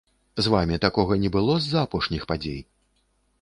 З вамі такога не было з-за апошніх падзей?